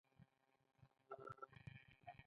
مدرسینو، ښوونکو، انجنیرانو.